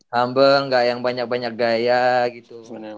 humble gak yang banyak banyak gaya gitu